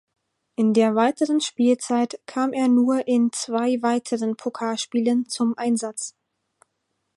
In der weiteren Spielzeit kam er nur in zwei weiteren Pokalspielen zum Einsatz.